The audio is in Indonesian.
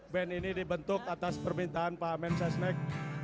band ini dibentuk atas permintaan pak men sesnek